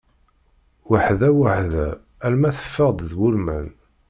Weḥda weḥda, alma teffeɣ-d d ulman.